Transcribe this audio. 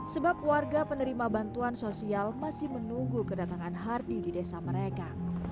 sebab warga penerima bantuan sosial masih menunggu kedatangan hardi di desa mereka